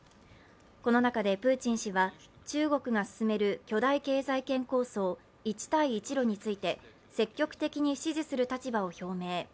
この中で、プーチン氏は中国が進める巨大経済圏構想、一帯一路について、積極的に支持する立場を表明。